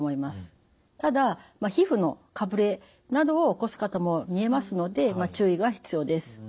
ただ皮膚のかぶれなどを起こす方もみえますので注意が必要です。